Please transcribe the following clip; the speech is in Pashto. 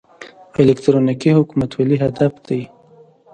الکترونیکي حکومتولي هدف دی